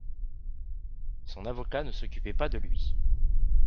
Son avocat ne s'occupait pas de lui.